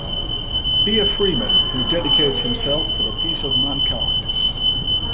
Be a freeman who dedicates himself to the peace of mankind.